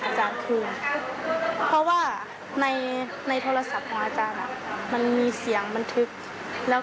ฮะหนูก็เลยแบบ